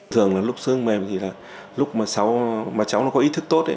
thường lúc xương mềm lúc mà cháu có ý thức tốt